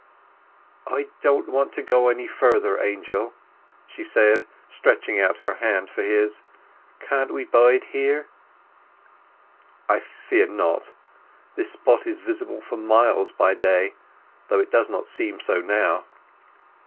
"I don't want to go any further, Angel," she said, stretching out her hand for his. "Can't we bide here?" "I fear not. This spot is visible for miles by day, although it does not seem so now."